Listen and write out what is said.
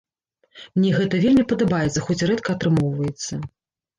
Мне гэта вельмі падабаецца, хоць і рэдка атрымоўваецца.